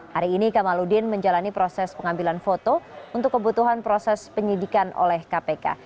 hari ini kamaludin menjalani proses pengambilan foto untuk kebutuhan proses penyidikan oleh kpk